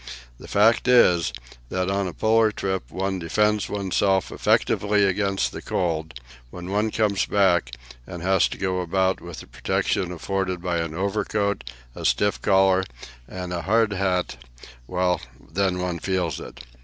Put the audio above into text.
The fact is, that on a Polar trip one defends oneself effectively against the cold; when one comes back, and has to go about with the protection afforded by an overcoat, a stiff collar, and a hard hat well, then one feels it.